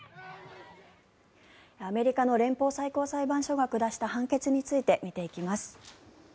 アメリカの連邦最高裁判所が下した判決について見ていきます。